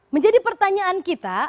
menjadi pertanyaan kita